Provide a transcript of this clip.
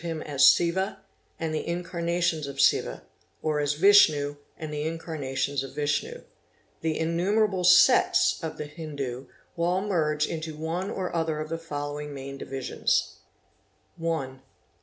_ CASTE 845 him as Siva and the incarnations of Siva, or as Vishnu and the inecar _ nations of Vishnu. The innumerable sects of the Hindus all merge into one or other of the following main divisions :— 1.